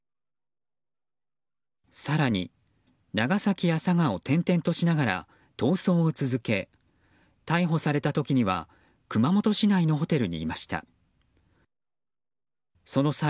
更に、長崎や佐賀を転々としながら逃走を続け逮捕された時には熊本市内のホテルにいました。